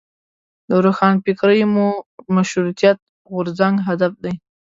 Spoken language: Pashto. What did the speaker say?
له روښانفکرۍ مو مشروطیت غورځنګ هدف دی.